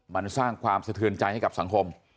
มันสร้างความสะเทือนใจให้กับสังคม